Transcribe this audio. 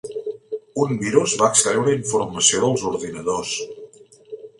Un virus va extreure informació dels ordinadors